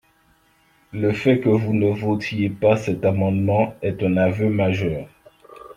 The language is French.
Le fait que vous ne votiez pas cet amendement est un aveu majeur